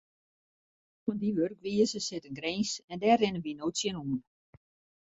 Oan dy wurkwize sit in grins en dêr rinne wy no tsjinoan.